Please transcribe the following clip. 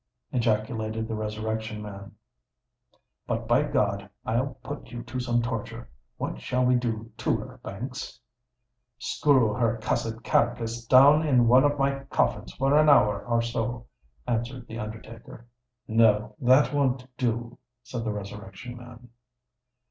ejaculated the Resurrection Man; "but, by God! I'll put you to some torture. What shall we do to her, Banks?" "Screw her cussed carkiss down in one of my coffins for an hour or so," answered the undertaker. "No—that won't do," said the Resurrection Man.